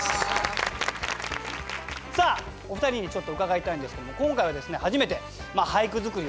さあお二人にちょっと伺いたいんですけども今回はですね